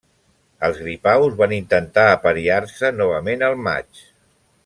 Els gripaus van intentar apariar-se novament al maig.